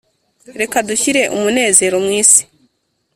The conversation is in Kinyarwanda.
reka dushyire umunezero mwisi.